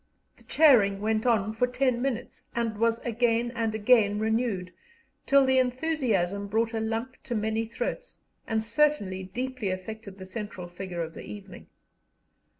The cheering went on for ten minutes, and was again and again renewed, till the enthusiasm brought a lump to many throats, and certainly deeply affected the central figure of the evening.